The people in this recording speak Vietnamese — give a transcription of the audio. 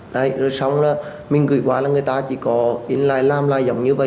đấy rồi xong là mình gửi qua là người ta chỉ có làm lại giống như vậy